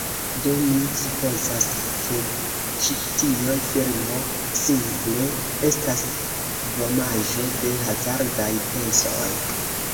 Do mi supozas, ke ĉi tio filmo simple estas vomaĵo de hazardaj pensoj.